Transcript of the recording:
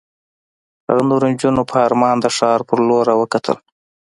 هغه نورو نجونو په ارمان د ښار په لور را وکتل.